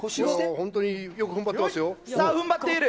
本当によくふんばってますよ。